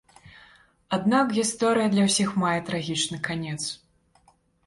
Аднак, гісторыя для ўсіх мае трагічны канец.